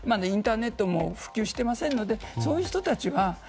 インターネットも普及していませんのでそういう人たちは。